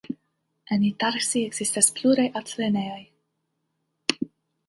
En Itarsi ekzistas pluraj altlernejoj.